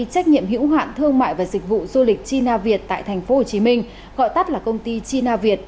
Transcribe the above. trách nhiệm hữu hạn thương mại và dịch vụ du lịch china việt tại tp hcm gọi tắt là công ty china việt